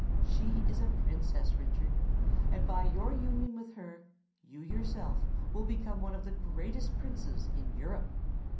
She is a Princess, Richard; and by your union with her, you yourself will become one of the greatest Princes in Europe!